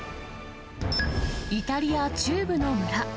イタリア中部の村。